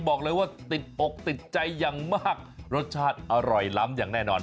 บอกเลยว่าติดอกติดใจอย่างมากรสชาติอร่อยล้ำอย่างแน่นอน